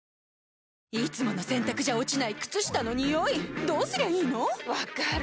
いつもの洗たくじゃ落ちない靴下のニオイどうすりゃいいの⁉分かる。